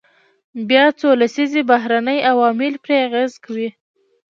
بیا څو لسیزې بهرني عوامل پرې اغیز کوي.